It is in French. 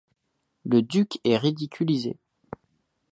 Le duc est ridiculisé.